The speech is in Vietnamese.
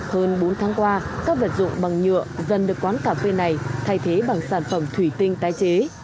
hơn bốn tháng qua các vật dụng bằng nhựa dần được quán cà phê này thay thế bằng sản phẩm thủy tinh tái chế